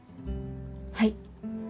はい。